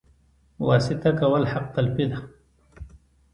واسطه کول حق تلفي ده